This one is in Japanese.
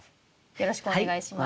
よろしくお願いします。